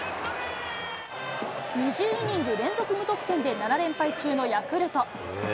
２０イニング連続無得点で７連敗中のヤクルト。